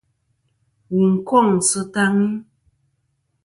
Wù n-kôŋ sɨ taŋi.